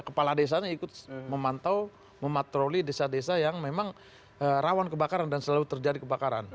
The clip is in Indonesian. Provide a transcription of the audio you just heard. kepala desanya ikut memantau mematroli desa desa yang memang rawan kebakaran dan selalu terjadi kebakaran